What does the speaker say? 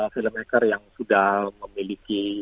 filmmaker yang sudah memiliki